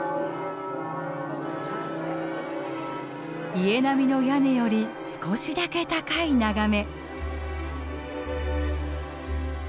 家並みの屋根より少しだけ高い眺め。